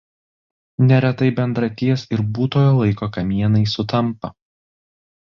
Neretai bendraties ir būtojo laiko kamienai sutampa.